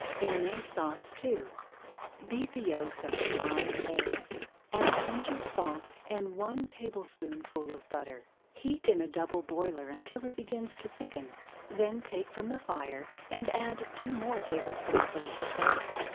BEARNAISE SAUCE II Beat the yolks of five eggs, add a pinch of salt and one tablespoonful of butter. Heat in a double boiler until it begins to thicken, then take from the fire and add two more tablespoonfuls of butter.